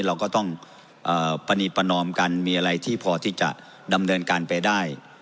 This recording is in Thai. เราก็ต้องปรณีประนอมกันมีอะไรที่พอที่จะดำเนินการไปได้